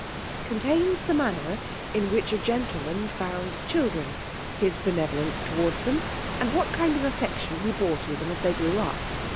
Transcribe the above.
_Contains the manner in which a gentleman found children: his benevolence towards them, and what kind of affection he bore to them as they grew up.